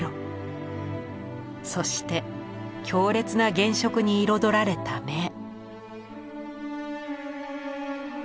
そして強烈な原色に彩られた目。